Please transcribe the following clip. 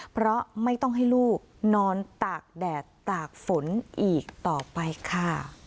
เพราะไม่ต้องให้ลูกนอนตากแดดตากฝนอีกต่อไปค่ะ